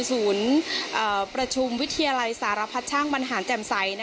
ศูนย์ประชุมวิทยาลัยสารพัดช่างบรรหารแจ่มใส